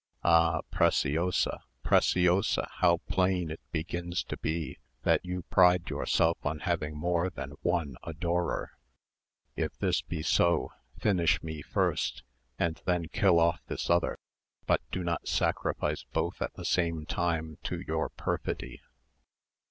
Ah, Preciosa! Preciosa! how plain it begins to be that you pride yourself on having more than one adorer. If this be so, finish me first, and then kill off this other, but do not sacrifice both at the same time to your perfidy."